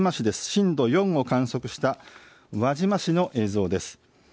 震度４を観測した輪島市の映像です。